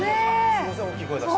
すいません大きい声出して。